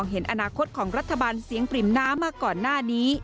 เห็นอนาคตของรัฐบาลเสียงปริ่มน้ำมาก่อนหน้านี้